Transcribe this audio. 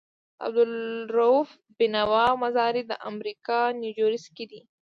د عبدالروف بينوا مزار دامريکا نيوجرسي کي دی